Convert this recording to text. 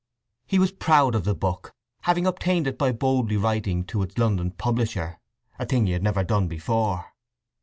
He was proud of the book, having obtained it by boldly writing to its London publisher, a thing he had never done before.